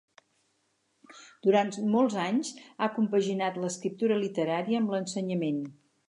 Durant molts anys, ha compaginat l'escriptura literària amb l'ensenyament.